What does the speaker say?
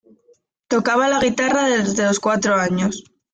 Tocaba la guitarra desde los cuatro años.